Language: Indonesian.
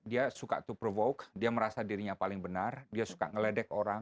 dia suka to provoke dia merasa dirinya paling benar dia suka ngeledek orang